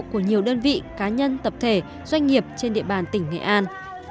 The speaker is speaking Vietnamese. của nhiều đơn vị cá nhân tập thể doanh nghiệp trên địa bàn tỉnh nghệ an